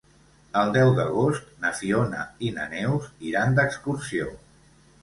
El deu d'agost na Fiona i na Neus iran d'excursió.